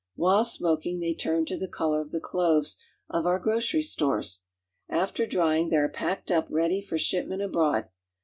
While smoking, they turn to the color of the cloves of our grocery stores. After drying, they are packed up ready for shipment abroad.